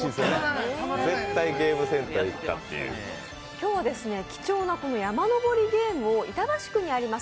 今日は貴重な「山のぼりゲーム」を板橋区にあります